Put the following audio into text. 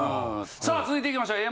さあ続いていきましょう